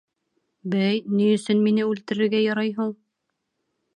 — Бәй, ни өсөн мине үлтерергә ярай һуң?